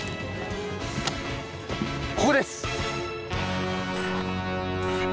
ここです！